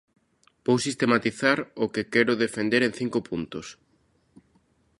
Vou sistematizar o que quero defender en cinco puntos.